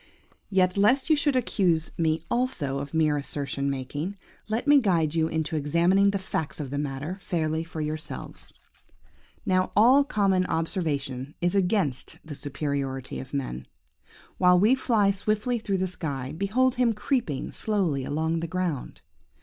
"Yet, lest you should accuse me also of mere assertion making, let me guide you into examining the facts of the matter fairly for yourselves. "Now all common observation is against the superiority of man. While we fly swiftly through the sky, behold him creeping slowly along the ground.